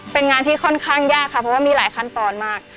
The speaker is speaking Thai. เป็นงานที่ค่อนข้างยากค่ะเพราะว่ามีหลายขั้นตอนมาก